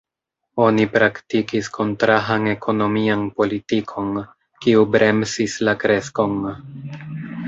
Oni praktikis kontrahan ekonomian politikon, kiu bremsis la kreskon.